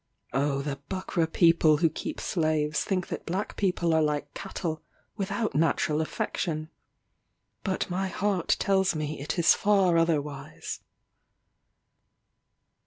Oh the Buckra people who keep slaves think that black people are like cattle, without natural affection. But my heart tells me it is far otherwise.